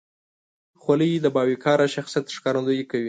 خولۍ د باوقاره شخصیت ښکارندویي کوي.